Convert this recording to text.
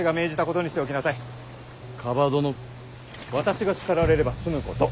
私が叱られれば済むこと。